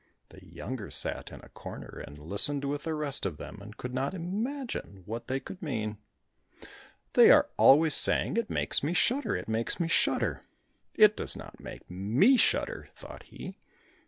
The younger sat in a corner and listened with the rest of them, and could not imagine what they could mean. "They are always saying 'it makes me shudder, it makes me shudder!' It does not make me shudder," thought he.